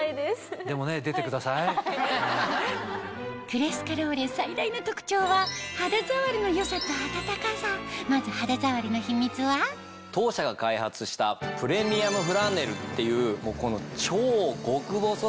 クレスカローレ最大の特徴はまず肌触りの秘密は当社が開発したプレミアムフランネルっていう超極細